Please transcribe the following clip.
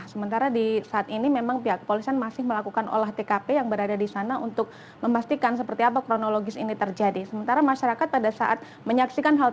selamat malam eka